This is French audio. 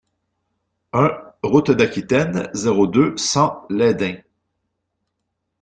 un route d'Aquitaine, zéro deux, cent Lesdins